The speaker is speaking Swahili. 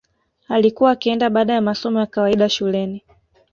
Alikuwa akienda baada ya masomo ya kawaida shuleni